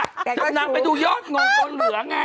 แต่นางไปดูยอดงงตอนเหลือไง